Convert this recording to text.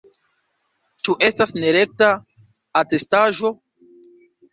Ĉu estas nerekta atestaĵo?